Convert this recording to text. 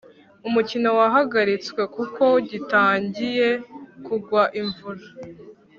umukino wahagaritswe kuko gitangiye kugwa imvura